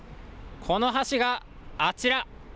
この橋があちら。